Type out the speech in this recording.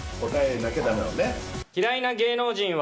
嫌いな芸能人は。